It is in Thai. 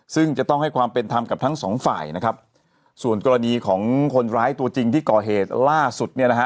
ซึ่งจะต้องให้ความเป็นธรรมกับทั้งสองฝ่ายนะครับส่วนกรณีของคนร้ายตัวจริงที่ก่อเหตุล่าสุดเนี่ยนะฮะ